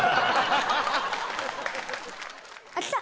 あっ来た！